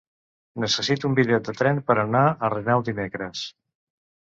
Necessito un bitllet de tren per anar a Renau dimecres.